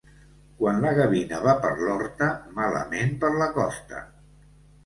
Quan la gavina va per l'horta, malament per la costa.